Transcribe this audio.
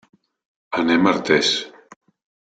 Anem a Artés.